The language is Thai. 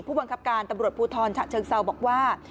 ผู้บังคับการตำรวจภูทรฉะเชิงเซาบอกว่า